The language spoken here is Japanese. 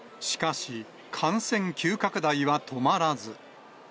しかし、感染急拡大は止まらず。